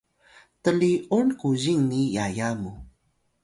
tli’un kuzing ni yaya mu